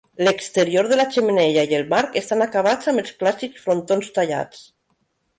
L'exterior de la xemeneia i el marc estan acabats amb els clàssics frontons tallats.